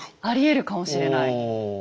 ありえるかもしれない。